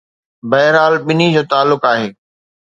بهرحال، ٻنهي جو تعلق آهي